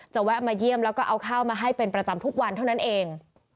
แวะมาเยี่ยมแล้วก็เอาข้าวมาให้เป็นประจำทุกวันเท่านั้นเอง